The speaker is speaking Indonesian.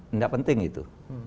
tidak penting itu